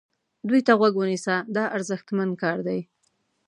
دوی ته غوږ ونیسه دا ارزښتمن کار دی.